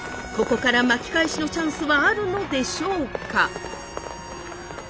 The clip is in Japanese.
ここから巻き返しのチャンスはあるのでしょうか？